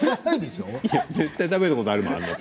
絶対食べたことある。